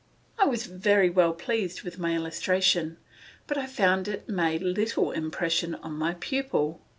I was very well pleased with my illustration, but I found it made little impression on my pupil.